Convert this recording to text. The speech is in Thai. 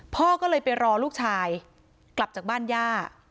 พ่อก็เลยไปรอลูกชายกลับจากบ้านย่า